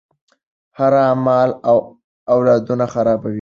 حرام مال اولادونه خرابوي.